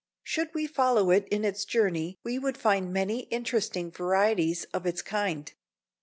Should we follow it in its journey we would find many interesting varieties of its kind.